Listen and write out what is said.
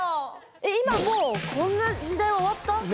えっ今もうこんな時代は終わった？ね。